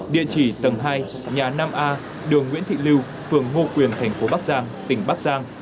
địa chỉ tầng hai nhà năm a đường nguyễn thị lưu phường hồ quyền tp bắc giang tỉnh bắc giang